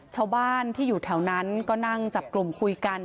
ชาวบ้านที่อยู่แถวนั้นก็นั่งจับกลุ่มคุยกัน